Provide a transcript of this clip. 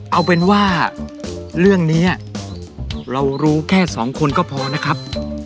เอาเป็นว่าเรื่องนี้เรารู้แค่สองคนก็พอนะครับ